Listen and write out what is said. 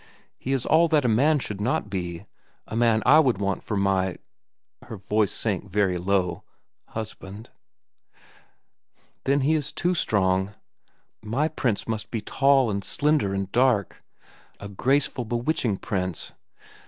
He is all that a man should not be—a man I would want for my—" her voice sank very low—"husband. Then he is too strong. My prince must be tall, and slender, and dark—a graceful, bewitching prince.